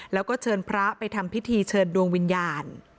แล้วก็เชิญพระไปทำพิธีเชิญดวงวิญญาณ